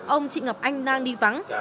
ông trị ngập anh đang đi vắng